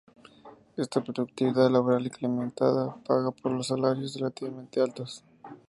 Esta productividad laboral incrementada paga por los salarios relativamente altos.